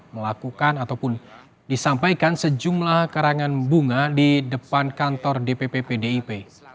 melakukan ataupun disampaikan sejumlah karangan bunga di depan kantor dpp pdip